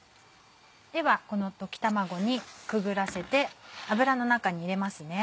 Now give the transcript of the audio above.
ではこの溶き卵にくぐらせて油の中に入れます。